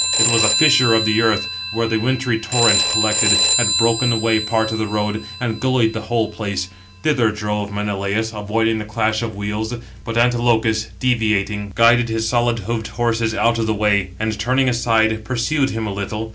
It was a fissure of the earth, where the wintry torrent collected, had broken away [part] of the road, and gullied the whole place; thither drove Menelaus, avoiding the clash of wheels. But Antilochus, deviating, guided his solid hoofed horses out of the way, and turning aside, pursued him a little.